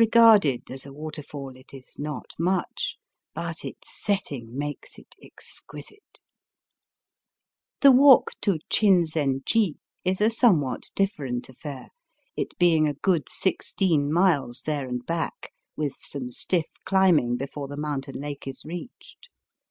Eegarded as a waterfall it is not much, but its setting makes it exquisite. The walk to Chinzenji is a somewhat dif ferent affair, it being a good sixteen miles there and back, with some stiff climbing before the mountain lake is reached.